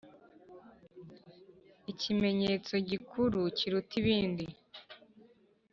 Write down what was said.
Ikimenyetso gikuru kiruta ibindi.